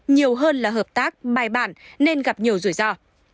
nhiều hơn là hợp tác bài bản nên gặp nhiều rủi ro